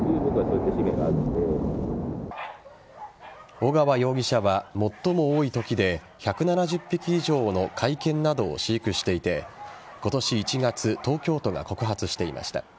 尾川容疑者は最も多い時で１７０匹以上の甲斐犬などを飼育していて今年１月東京都が告発していました。